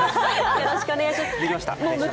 よろしくお願いします。